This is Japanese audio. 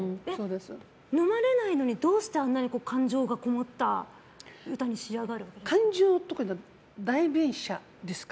飲まれないのにどうしてあんなに感情がこもった歌に仕上がるんですか？